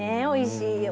おいしい！